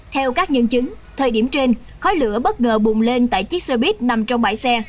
theo các nhân chứng thời điểm trên khói lửa bất ngờ bùng lên tại chiếc xe buýt nằm trong bãi xe